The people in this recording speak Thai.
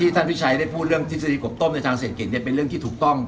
ท่านพิชัยได้พูดเรื่องทฤษฎีกบต้มในทางเศรษฐกิจเป็นเรื่องที่ถูกต้อง